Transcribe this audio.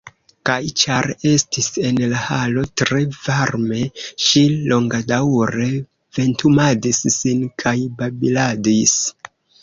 Kaj ĉar estis en la halo tre varme, ŝi longadaŭre ventumadis sin kaj babiladis.